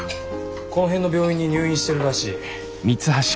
この辺の病院に入院してるらしい。